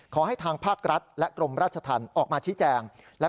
ทางภาครัฐและกรมราชธรรมออกมาชี้แจง